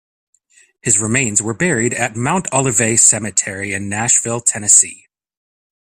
His remains were buried at Mount Olivet Cemetery in Nashville, Tennessee.